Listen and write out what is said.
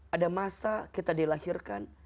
ada masa kita dilahirkan